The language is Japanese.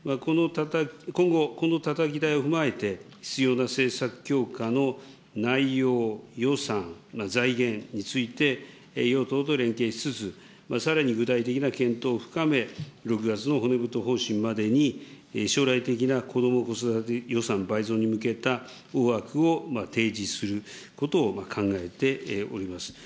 今後、このたたき台を踏まえて、必要な政策強化の内容、予算、財源について、与党と連携しつつ、さらに具体的な検討を深め、６月の骨太方針までに将来的な子ども・子育て予算倍増に向けた大枠を提示することを考えております。